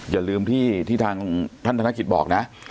อย่าลืมที่ทางท่านธนกิจบอกนะ